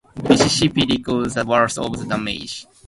Mississippi received the worst of the damage.